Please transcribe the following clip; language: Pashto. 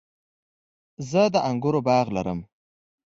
زه د انګورو باغ لرم